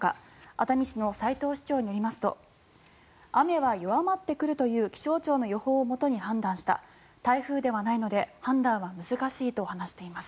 熱海市の齊藤市長によりますと雨は弱まってくるという気象庁の予報をもとに判断した台風ではないので判断は難しいと話しています。